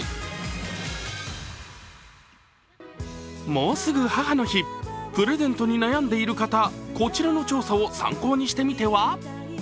もうすぐ母の日プレゼントに悩んでいる方こちらの調査を参考にしてみては？